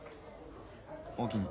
おおきに。